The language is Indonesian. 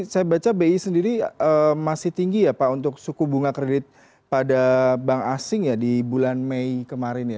saya baca bi sendiri masih tinggi ya pak untuk suku bunga kredit pada bank asing ya di bulan mei kemarin ya